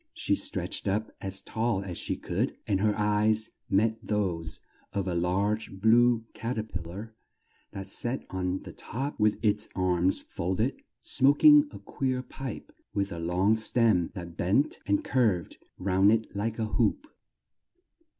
She stretched up as tall as she could, and her eyes met those of a large blue cat er pil lar that sat on the top with its arms fold ed, smok ing a queer pipe with a long stem that bent and curved round it like a hoop.